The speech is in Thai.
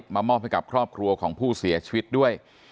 มามอบให้กับครอบครัวของผู้เสียชีวิตด้วย